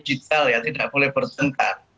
berburu tidak boleh bertengkar